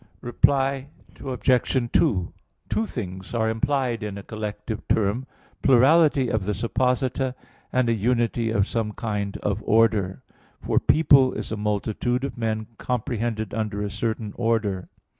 Reply Obj. 2: Two things are implied in a collective term, plurality of the supposita, and a unity of some kind of order. For "people" is a multitude of men comprehended under a certain order.